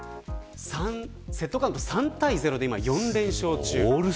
セットカウント３対０で４連勝中。